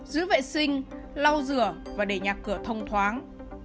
giữ vệ sinh lau rửa và để nhà cửa thông thoáng